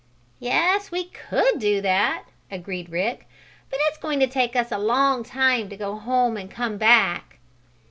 "Yes, we could do that," agreed Rick. "But it's going to take us a long time to go home and come back."